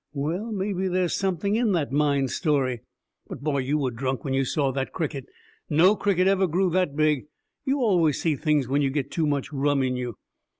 "Well maybe there's something in the mine story. But boy, you were drunk when you saw that cricket. No cricket ever grew that big. You always see things when you get too much rum in you."